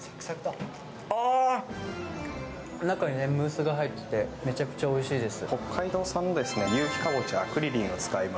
中にムースが入ってめちゃくちゃおいしいです。